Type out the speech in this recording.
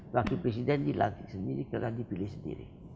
laki laki presiden dilantik sendiri karena dipilih sendiri